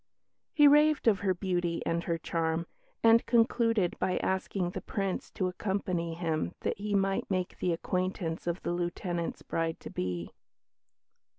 He raved of her beauty and her charm, and concluded by asking the Prince to accompany him that he might make the acquaintance of the Lieutenant's bride to be.